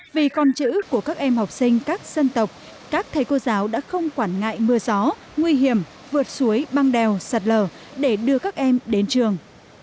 vì con chữ của các em học sinh các dân tộc các thầy cô giáo đã không quản ngại mưa gió nguy hiểm vượt suối băng đèo sạt lở để đưa các em đến trường